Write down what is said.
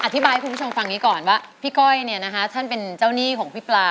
ให้คุณผู้ชมฟังอย่างนี้ก่อนว่าพี่ก้อยเนี่ยนะคะท่านเป็นเจ้าหนี้ของพี่ปลา